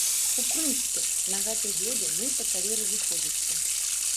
У прынцыпе, на гэтай глебе мы і пачалі разыходзіцца.